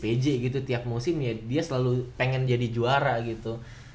kalau gue sih ya pj is pj gitu tiap musim ya dia selalu pengen jadi juara gitu